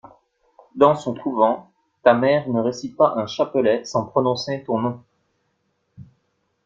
Dans son couvent, ta mère ne récite pas un chapelet sans prononcer ton nom.